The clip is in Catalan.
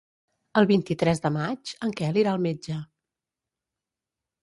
El vint-i-tres de maig en Quel irà al metge.